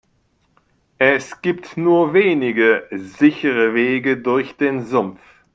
Es gibt nur wenige sichere Wege durch den Sumpf.